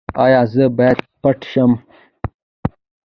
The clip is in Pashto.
ایا زه باید پټ شم؟